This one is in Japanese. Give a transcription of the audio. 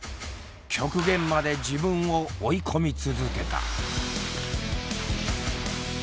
極限まで自分を追い込み続けた。